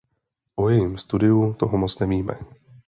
O jejím studiu toho moc nevíme.